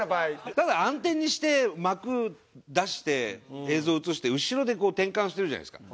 ただ暗転にして幕出して映像を映して後ろでこう転換してるじゃないですか。